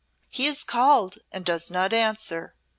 He is called and does not answer.